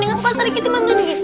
dengan pak sergiti menteri pak